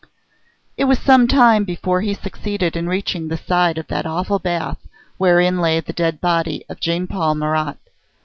It was some time before he succeeded in reaching the side of that awful bath wherein lay the dead body of Jean Paul Marat.